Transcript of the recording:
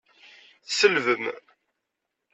Tselbem!